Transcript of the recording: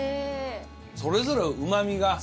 それぞれうま味が。